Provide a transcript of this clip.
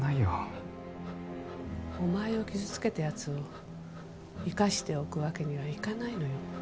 ハッハッハッハッお前を傷つけたやつを生かしておくわけにはいかないのよ